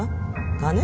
金？